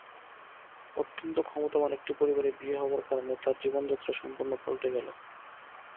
অত্যন্ত ক্ষমতাবান একটি পরিবারে বিয়ে হবার কারণে তার জীবনযাত্রা সম্পূর্ণ পাল্টে গেল।